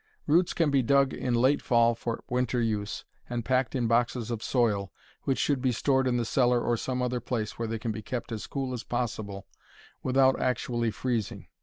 Roots can be dug in late fall for winter use, and packed in boxes of soil, which should be stored in the cellar or some other place where they can be kept as cool as possible without actually freezing.